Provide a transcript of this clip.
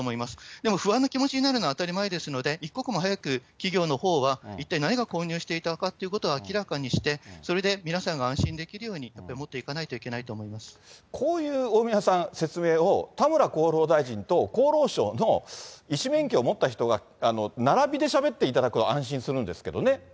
でも不安な気持ちになるのは当たり前ですので、一刻も早く企業のほうは、一体何が混入していたかということを明らかにして、それで皆さんが安心できるように、やっぱり持っていかないといけなこういう大宮さん、説明を、田村厚労大臣と厚労省の医師免許を持った人が、並びでしゃべっていただくと安心するんですけどね。